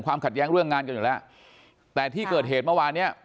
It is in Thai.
ขัดแย้งเรื่องงานกันอยู่แล้วแต่ที่เกิดเหตุเมื่อวานเนี้ย